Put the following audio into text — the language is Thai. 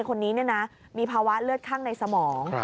คนนี้มีภาวะเลือดข้างในสมอง